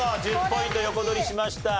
１０ポイント横取りしました。